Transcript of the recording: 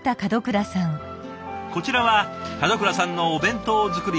こちらは門倉さんのお弁当作り